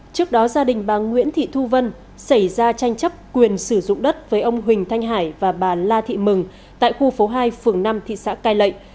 trước đó gia đình bà nguyễn thị thu vân xảy ra tranh chấp quyền sử dụng đất với ông huỳnh thanh hải và bà la thị mừng tại khu phố hai phường năm thị xã cai lệ